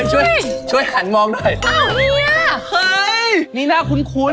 เอ้ยช่วยช่วยหันมองด้วยอ่ะนี่นี่น่าคุ้น